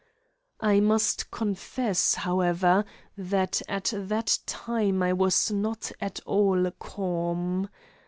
I must confess, however, that at that time I was not at all calm.